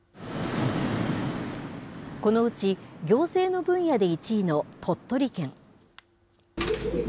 このうち、行政の分野で１位の鳥取県。